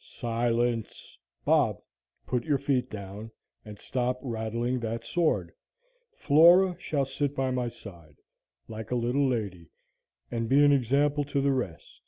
"Silence! Bob, put your feet down, and stop rattling that sword. Flora shall sit by my side, like a little lady, and be an example to the rest.